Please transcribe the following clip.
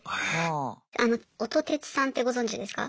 あの音鉄さんってご存じですか？